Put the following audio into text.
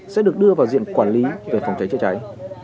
sẽ được đưa vào diện quản lý về phòng cháy chữa cháy